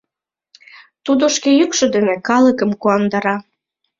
Тудо шке йӱкшӧ дене калыкым куандара.